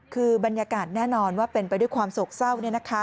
คือบรรยากาศแน่นอนว่าเป็นไปด้วยความโศกเศร้า